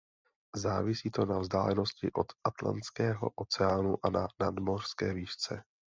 Závisí to na vzdálenosti od Atlantského oceánu a na nadmořské výšce.